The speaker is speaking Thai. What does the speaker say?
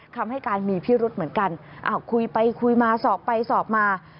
คำให้การมีพิรุธเหมือนกันอ้าวคุยไปคุยมาสอบไปสอบมา